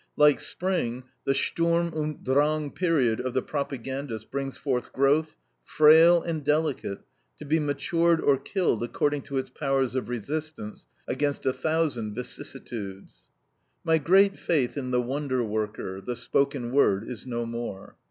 Like Spring, the STURM UND DRANG period of the propagandist brings forth growth, frail and delicate, to be matured or killed according to its powers of resistance against a thousand vicissitudes. My great faith in the wonder worker, the spoken word, is no more.